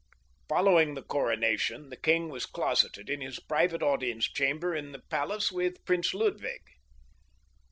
Following the coronation the king was closeted in his private audience chamber in the palace with Prince Ludwig.